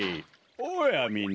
おやみんな。